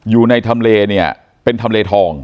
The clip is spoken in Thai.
อยู่ในทำเลเนี่ยเป็นทำเลทอง